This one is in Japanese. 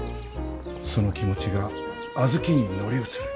その気持ちが小豆に乗り移る。